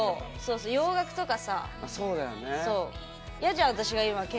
洋楽とかさ。